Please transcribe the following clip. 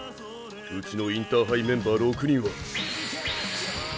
うちのインターハイメンバー６人は。